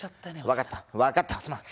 分かった分かったすまん。